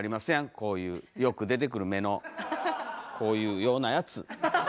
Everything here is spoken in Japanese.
こういうよく出てくる目のこういうようなやつ。